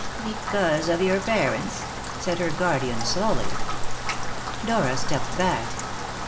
"Because of your parents," said her guardian slowly. Dora stepped back.